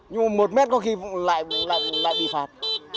nhưng mà một mét có khi lại bị phạt